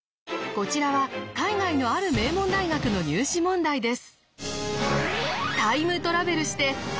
こちらは海外のある名門大学の入試問題です！